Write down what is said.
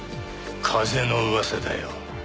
風の噂だよ。